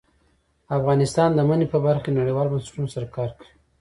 افغانستان د منی په برخه کې نړیوالو بنسټونو سره کار کوي.